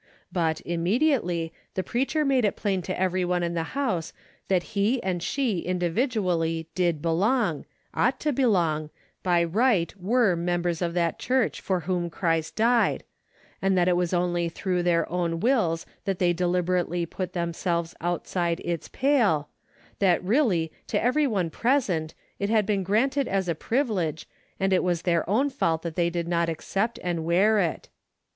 But, im mediately, the preacher made it plain to every one in the house that he and she individually did belong, ought to belong, by right were, members of that church for whom Christ died, and that it was only through their own wills A DAILY RATEI 285 ' that they deliberately put themselves outside its pale, that really, to every one present, it had been granted as a privilege, and it was their own fault that they did not accept and wear it.